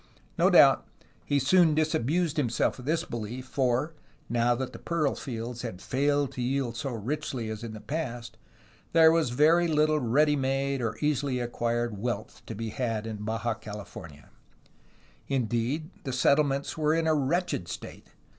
No doubt he soon disabused himself of this belief, for (now that the pearl fields had failed to yield so richly as in the past) there was very little ready made or easily acquired wealth to be had in Baja California. Indeed, the settlements were in a wretched state.